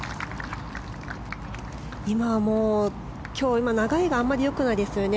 今は流れがあまり良くないですよね。